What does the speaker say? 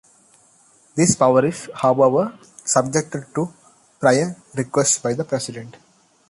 This power is, however, subject to prior request by the President.